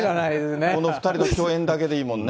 この２人の共演だけでいいもんね。